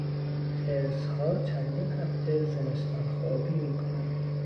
خرسها چندین هفته زمستانخوابی میکنند.